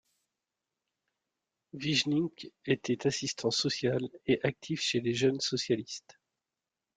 Wijninckx était assistant social et actif chez les Jeunes socialistes.